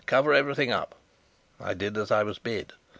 Cover everything up." I did as I was bid.